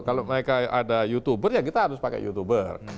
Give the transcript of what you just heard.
kalau mereka ada youtuber ya kita harus pakai youtuber